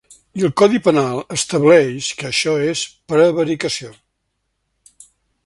I el codi penal estableix que això és prevaricació.